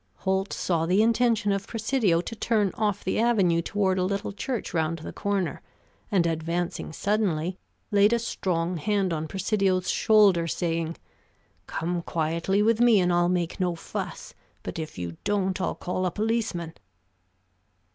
Holt saw the intention of Presidio to turn off the avenue toward a little church round the corner, and advancing suddenly, laid a strong hand on Presidio's shoulder, saying, "Come quietly with me, and I'll make no fuss; but if you don't, I'll call a policeman."